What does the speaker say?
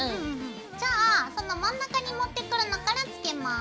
じゃあその真ん中に持ってくるのからつけます。